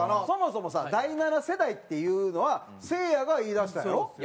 そもそもさ「第七世代」っていうのはせいやが言いだしたんやろ？